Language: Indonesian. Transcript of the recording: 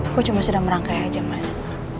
kok cuma sedang merangkai aja mas